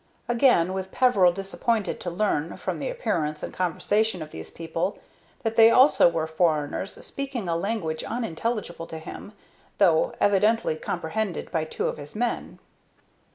Again was Peveril disappointed to learn, from the appearance and conversation of these people, that they also were foreigners, speaking a language unintelligible to him, though evidently comprehended by two of his men.